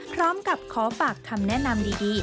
พร้อมกับขอฝากคำแนะนำดี